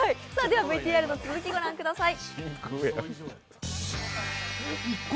ではＶＴＲの続き、御覧ください。